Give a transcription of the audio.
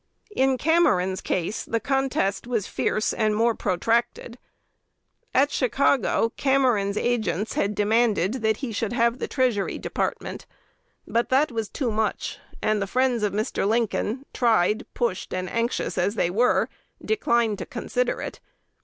In Cameron's case the contest was fierce and more protracted. At Chicago, Cameron's agents had demanded that he should have the Treasury Department; but that was too much; and the friends of Mr. Lincoln, tried, pushed, and anxious as they were, declined to consider it.